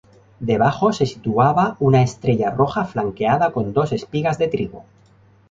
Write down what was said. Debajo se situaba una estrella roja flanqueada con dos espigas de trigo.